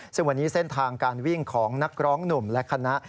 ซึ่งวันนี้เส้นทางการวิ่งของนักร้องหนุ่มและคณะ